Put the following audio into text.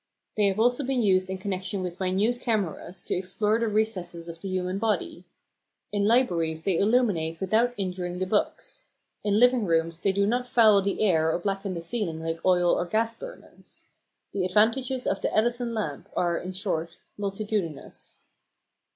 They have also been used in connection with minute cameras to explore the recesses of the human body. In libraries they illuminate without injuring the books. In living rooms they do not foul the air or blacken the ceiling like oil or gas burners. The advantages of the "Edison lamp" are, in short, multitudinous.